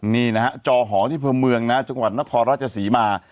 นี่นะจอหที่เปิบเมืองนะจังหวัดนครรัชสิมา